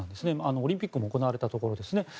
オリンピックも行われたところですね。